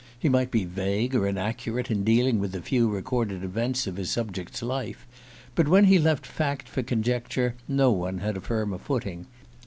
He might be vague or inaccurate in dealing with the few recorded events of his subject's life; but when he left fact for conjecture no one had a firmer footing.